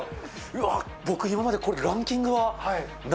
うわ僕今までランキングは。